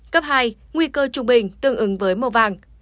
cấp hai nguy cơ trung bình tương ứng với màu vàng